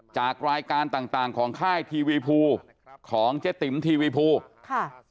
จากรายการต่างต่างของค่ายทีวีภูของเจ๊ติ๋มทีวีภูค่ะ